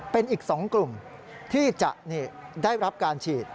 เป็นอีก๒กลุ่มที่จะได้รับการฉีด